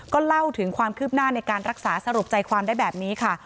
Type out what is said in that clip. ก็เล่าถึงความคืบหน้าในการรักษาสรุปใจความได้แบบนี้ค่ะ